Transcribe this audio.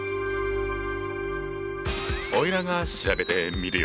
おいらが調べてみるよ。